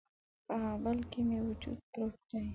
په هغه بل کي مې وجود پروت دی